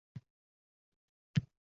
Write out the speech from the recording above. Bu yaqin atrofda pochta bormi?